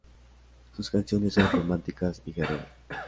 Sus canciones son románticas y guerreras.